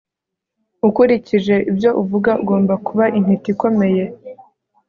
Ukurikije ibyo uvuga agomba kuba intiti ikomeye